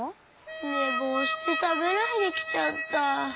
ねぼうしてたべないできちゃった。